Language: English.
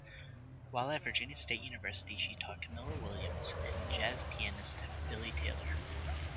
While at Virginia State University, she taught Camilla Williams and jazz pianist, Billy Taylor.